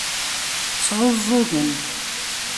Sɛuẓẓugen.